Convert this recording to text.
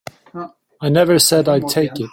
I never said I'd take it.